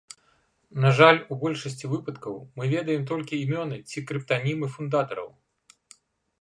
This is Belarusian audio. На жаль, у большасці выпадкаў мы ведаем толькі імёны ці крыптанімы фундатараў.